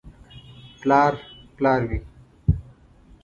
• پلار پلار وي.